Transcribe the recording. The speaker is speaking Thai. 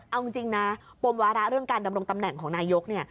เอาจริงนะปมวาระเรื่องการดำรงตำแหน่งของนายก